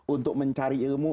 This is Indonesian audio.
untuk mencari ilmu